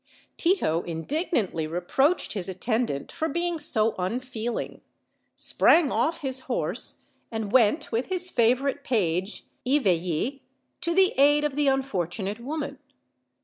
Tito indignantly reproached his at tendant for being so unfeeling, sprang off his horse, and went, with his favorite page, Eveille, to the aid of the unfortunate woman.